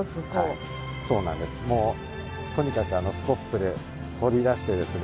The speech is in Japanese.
とにかくスコップで彫り出してですね。